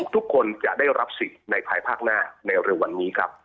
ทุกคนจะได้รับสิทธิ์ในภายภาคหน้าในเร็ววันนี้ครับ